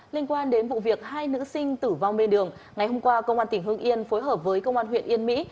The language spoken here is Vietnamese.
liên quan đến vụ việc hai nữ sinh tử vong bên đường ngày hôm qua công an tỉnh hương yên phối hợp với công an huyện yên mỹ